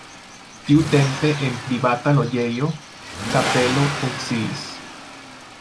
Tiutempe en privata loĝejo kapelo funkciis.